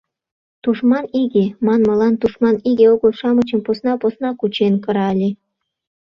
«Тушман иге» манмылан тушман иге огыл-шамычым посна-посна кучен кыра ыле.